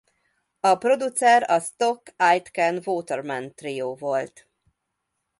A producer a Stock-Aitken-Waterman trió volt.